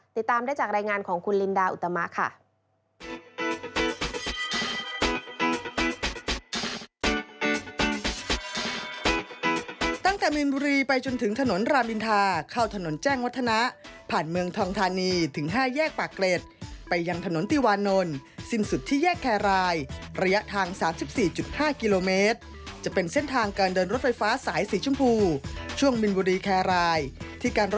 ติดตามได้จากรายงานของคุณลินดาอุตมะค่ะ